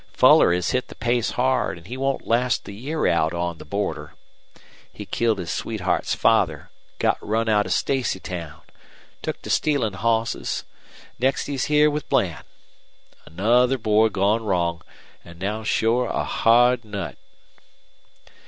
Fuller has hit the pace hard, an' he won't last the year out on the border. He killed his sweetheart's father, got run out of Staceytown, took to stealin' hosses. An' next he's here with Bland. Another boy gone wrong, an' now shore a hard nut."